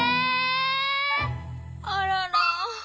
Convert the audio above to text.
あらら。